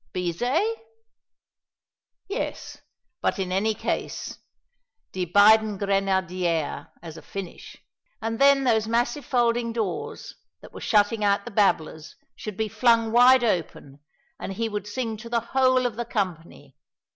Bizet? Yes, but in any case "Die beiden Grenadiere" as a finish and then those massive folding doors, that were shutting out the babblers, should be flung wide open, and he would sing to the whole of the company.